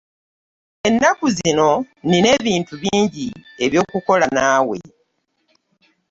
Ennaku zino nina ebintu bingi eby'okukola naawe.